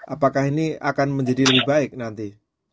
apakah ini akan menjadi lebih baik nanti